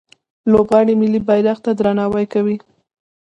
لوبغاړي ملي بیرغ ته درناوی کوي.